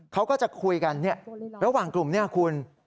เขาก็จะคุยกันระหว่างกลุ่มนี้คุณ